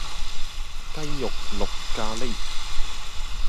雞肉綠咖哩